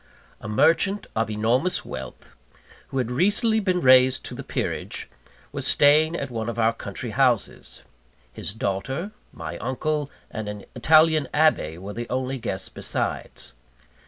A merchant of enormous wealth, who had recently been raised to the peerage, was staying at one of our country houses. His daughter, my uncle, and an Italian Abbe were the only guests besides.